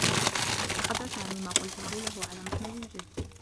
أخذ سامي ما قلته له على محمل الجدّ.